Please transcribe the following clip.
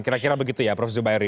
kira kira begitu ya prof zubairi